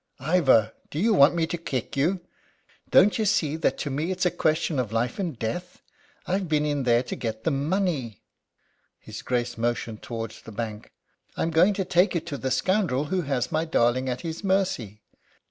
"Ivor, do you want me to kick you? Don't you see that to me it's a question of life and death? I've been in there to get the money." His Grace motioned towards the bank. "I'm going to take it to the scoundrel who has my darling at his mercy.